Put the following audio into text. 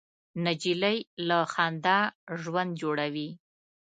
نجلۍ له خندا ژوند جوړوي.